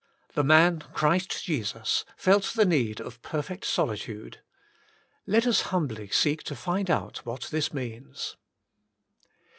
'' The man Christ Jesus felt the need of perfect solitude. Let us humbly seek to find out what this means.